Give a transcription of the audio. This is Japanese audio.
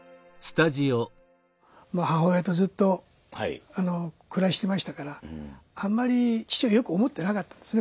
まあ母親とずっと暮らしてましたからあんまり父をよく思っていなかったんですね